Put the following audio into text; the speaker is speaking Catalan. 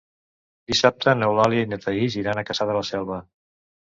Dissabte n'Eulàlia i na Thaís iran a Cassà de la Selva.